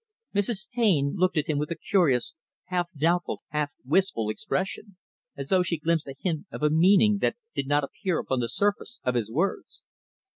Mrs. Taine looked at him with a curious, half doubtful half wistful expression; as though she glimpsed a hint of a meaning that did not appear upon the surface of his words.